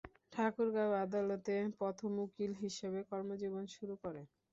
ঠাকুরগাঁও আদালতে প্রথম উকিল হিসেবে কর্মজীবন শুরু করেন।